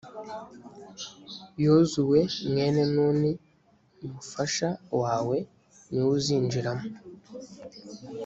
yozuwe mwene nuni umufasha wawe, ni we uzinjiramo